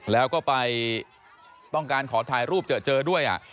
แล้วก็ไปต้องการขอถ่ายรูปเจอด้วย